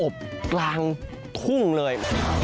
อบกลางทุ่งเลย